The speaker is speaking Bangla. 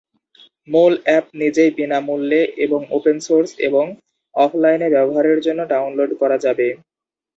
মূল অ্যাপ নিজেই বিনামূল্যে এবং ওপেন সোর্স, এবং অফলাইন ব্যবহারের জন্য ডাউনলোড করা যাবে।